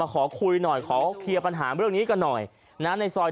ขอคุยหน่อยขอเคลียร์ปัญหาเรื่องนี้กันหน่อยนะในซอย